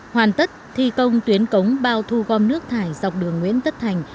hoàn tất thi công tuyến cống bao thu gom nước thải dọc đường nguyễn tất thành